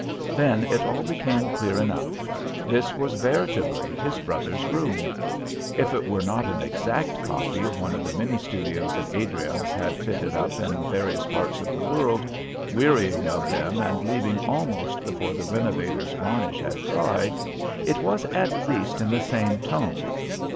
Then it all became clear enough: this was veritably his brother's room. If it were not an exact copy of one of the many studios that Adriance had fitted up in various parts of the world, wearying of them and leaving almost before the renovator's varnish had dried, it was at least in the same tone.